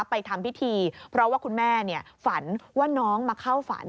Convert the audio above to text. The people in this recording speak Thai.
ไปทำพิธีเพราะว่าคุณแม่ฝันว่าน้องมาเข้าฝัน